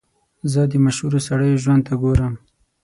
زه د مشهورو سړیو ژوند ته ګورم.